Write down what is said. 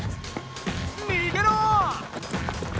逃げろ！